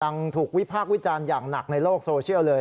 ถูกวิพากษ์วิจารณ์อย่างหนักในโลกโซเชียลเลย